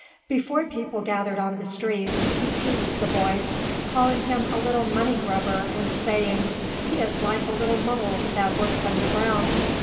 Before people gathered on the streets he teased the boy, calling him a little money grubber and saying, "He is like a little mole that works underground.